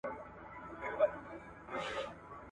دې سړو وینو ته مي اور ورکړه